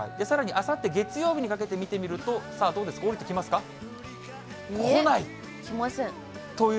さらに、あさって月曜日にかけて見てみると、どうですか。